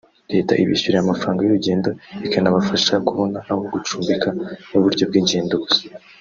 Leta ibishyurira amafaranga y’urugendo ikanabafasha kubona aho gucumbika n’uburyo bw’ingendo gusa